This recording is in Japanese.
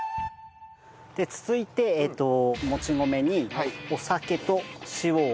続いてもち米にお酒と塩を。